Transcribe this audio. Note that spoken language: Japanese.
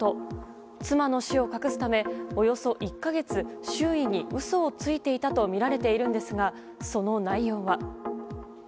妻の死を隠すため、およそ１か月周囲に嘘をついていたとみられているんですがその内容は？